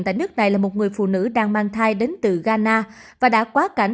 tại nước này là một người phụ nữ đang mang thai đến từ ghana và đã quá cảnh